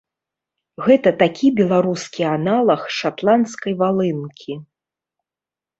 Гэта такі беларускі аналаг шатландскай валынкі.